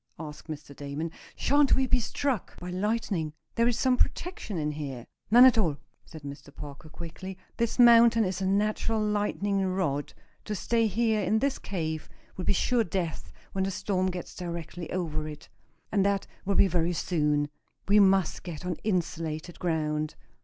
asked Mr. Damon. "Shan't we be struck by lightning? There is some protection in here." "None at all," said Mr. Parker, quickly. "This mountain is a natural lightning rod. To stay here in this cave will be sure death when the storm gets directly over it. And that will be very soon. We must get on insulated ground.